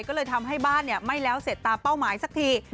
ก็เลยทำให้บ้านไม่แล้วเสร็จตามเป้าหมายสักที